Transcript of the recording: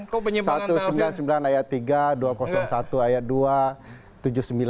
kok penyimpangan tafsir